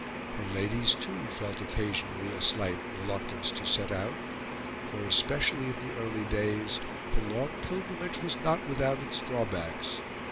Her ladies, too, felt occasionally a slight reluctance to set out, for, especially in the early days, the long pilgrimage was not without its drawbacks.